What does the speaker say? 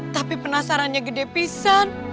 tapi penasarannya gede pisan